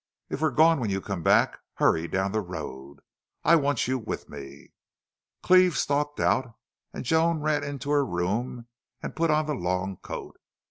If we're gone when you come back hurry down the road. I want you with me." Cleve stalked out, and Joan ran into her room and put on the long coat.